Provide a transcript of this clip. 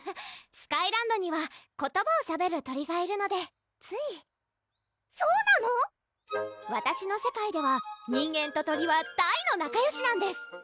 スカイランドには言葉をしゃべる鳥がいるのでついそうなの⁉わたしの世界では人間と鳥は大の仲よしなんです